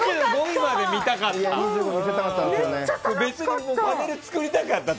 ２５位まで見たかった！